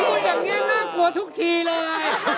ตัวอย่างนี้น่ากลัวทุกทีเลย